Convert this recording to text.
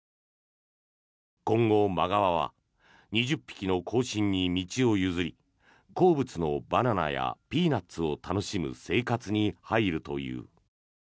今後、マガワは２０匹の後進に道を譲り好物のバナナやピーナツを楽しむ生活に入るという。